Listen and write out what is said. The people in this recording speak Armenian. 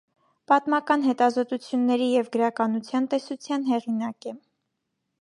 Պատմական հետազոտությունների և գրականության տեսության հեղինակ է։